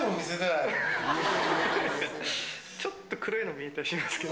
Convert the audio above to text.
ちょっと黒いの見えた気がしますけど。